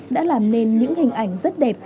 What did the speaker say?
đã làm nên những hình ảnh rất đẹp